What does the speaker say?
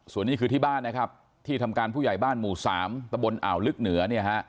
ส่วนนี้คือที่บ้านที่ทำการผู้ใหญ่บ้านหมู่๓ตะบลอ่าวลึกเหนือ